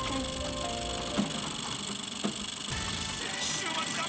週末が！！